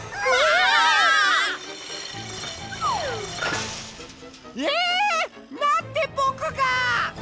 あぷ！え！？なんでぼくが！？